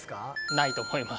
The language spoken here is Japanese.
ないと思います